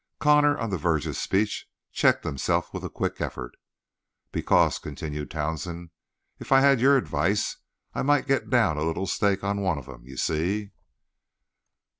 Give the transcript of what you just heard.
Connor, on the verge of speech, checked himself with a quick effort. "Because," continued Townsend, "if I had your advice I might get down a little stake on one of 'em. You see?"